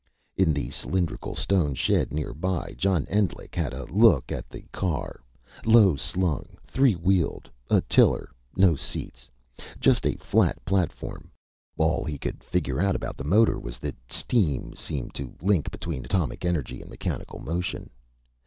In the cylindrical stone shed nearby, John Endlich had a look at the car low slung, three wheeled, a tiller, no seats. Just a flat platform. All he could figure out about the motor was that steam seemed the link between atomic energy and mechanical motion.